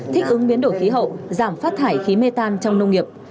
thích ứng biến đổi khí hậu giảm phát thải khí mê tan trong nông nghiệp